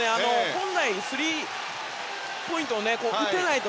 本来スリーポイントを打てないと